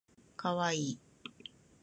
かわいい